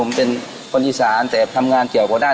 เมนูเด่นแล้วว่าจะต้องมีพวกปลา